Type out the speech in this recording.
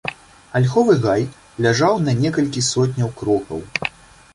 Альховы гай ляжаў на некалькі сотняў крокаў.